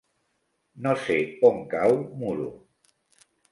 No sé on cau Muro.